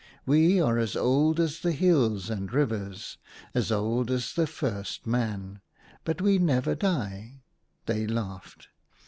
We are as old as the hills and rivers, as old as the first man ; but we never die," they laughed.